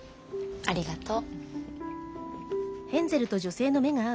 ありがとう。